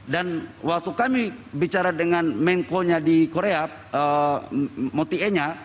dan waktu kami bicara dengan menko nya di korea moti e nya